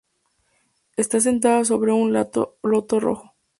Está sentada sobre un loto rojo.